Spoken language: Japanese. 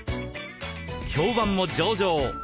評判も上々！